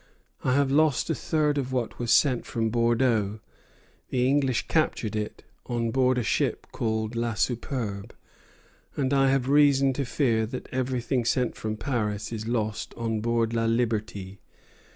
I have lost a third of what was sent from Bordeaux. The English captured it on board the ship called 'La Superbe;' and I have reason to fear that everything sent from Paris is lost on board 'La Liberté.'